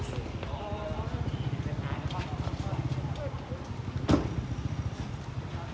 ต้องช่วยเชิลที่อยู่เกมช่วยคุณค่าท่าน